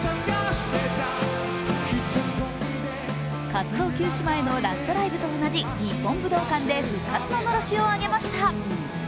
活動休止前のラストライブと同じ日本武道館で復活ののろしを上げました。